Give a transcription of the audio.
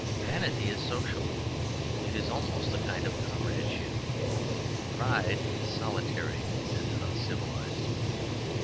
Vanity is social it is almost a kind of comradeship; pride is solitary and uncivilized.